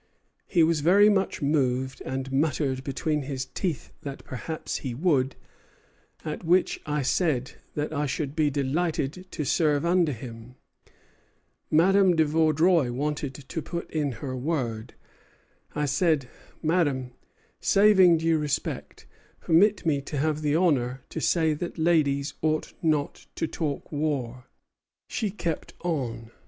He was very much moved, and muttered between his teeth that perhaps he would; at which I said that I should be delighted to serve under him. Madame de Vaudreuil wanted to put in her word. I said: 'Madame, saving due respect, permit me to have the honor to say that ladies ought not to talk war.' She kept on.